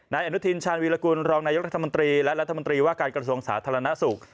นายอนุทินชาญวีรกุลรองนายกรัฐมนตรีและรัฐมนตรีว่าการกระทรวงสาธารณสุข